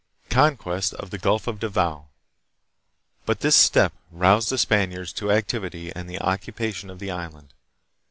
1 Conquest of the Gulf of Davao. But this step roused the Spaniards to activity and the occupation of the island.